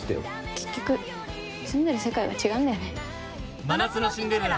結局、住んでる世界が違うんだよね。